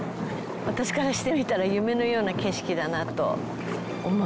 私からしてみたら夢のような景色だなと思いますね。